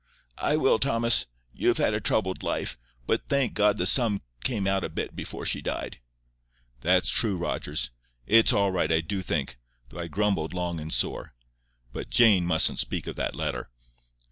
"I will, Thomas. You've had a troubled life, but thank God the sun came out a bit before she died." "That's true, Rogers. It's all right, I do think, though I grumbled long and sore. But Jane mustn't speak of that letter."